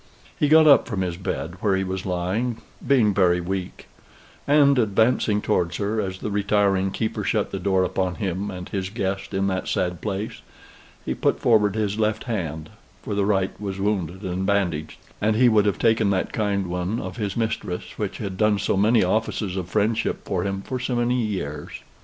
He got up from his bed, where he was lying, being very weak; and advancing towards her as the retiring keeper shut the door upon him and his guest in that sad place, he put forward his left hand (for the right was wounded and bandaged), and he would have taken that kind one of his mistress, which had done so many offices of friendship for him for so many years.